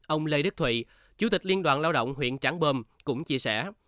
ông lê đức thụy chủ tịch liên đoàn lao động huyện tráng bơm cũng chia sẻ